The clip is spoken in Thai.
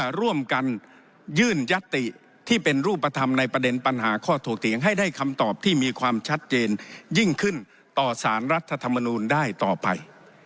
ร่วมกันยื่นยัตติที่เป็นรูปธรรมในประเด็นปัญหาข้อถกเถียงให้ได้คำตอบที่มีความชัดเจนยิ่งขึ้นต่อสารรัฐธรรมนูลได้ต่อไป